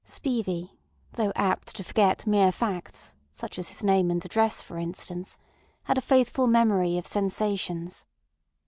Stevie, though apt to forget mere facts, such as his name and address for instance, had a faithful memory of sensations.